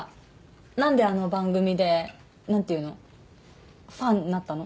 なんであの番組でなんていうのファンになったの？